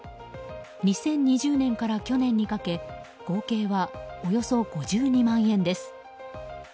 ２０２０年から去年にかけ合計は、およそ５２万円です。